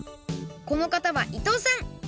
このかたは伊藤さん。